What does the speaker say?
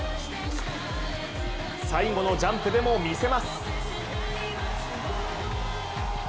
最後のジャンプでも見せます。